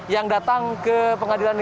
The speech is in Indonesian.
yang datang ke pengadilan di jakarta